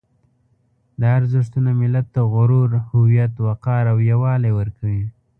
دا ارزښتونه ملت ته غرور، هویت، وقار او یووالی ورکوي.